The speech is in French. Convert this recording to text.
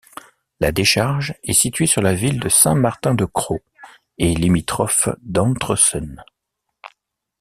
La décharge est située sur la ville de Saint-Martin-de-Crau et limitrophe d'Entressen.